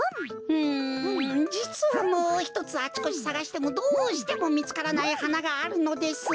うんじつはもうひとつあちこちさがしてもどうしてもみつからないはながあるのです。